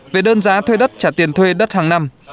về đơn giá thuê đất trả tiền thuê đất hàng năm